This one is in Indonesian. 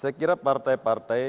saya kira partai partai